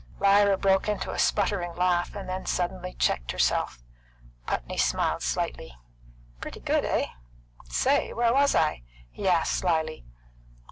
Lyra broke into a spluttering laugh, and suddenly checked herself. Putney smiled slightly. "Pretty good, eh? Say, where was I?" he asked slyly.